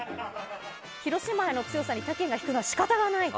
広島愛の強さに他県が引くのは仕方ない。